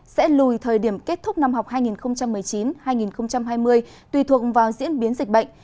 sẽ lùi thời điểm kết thúc năm học hai nghìn một mươi chín hai nghìn hai mươi tùy thuộc vào diễn biến dịch bệnh